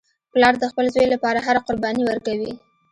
پلار د خپل زوی لپاره هره قرباني ورکوي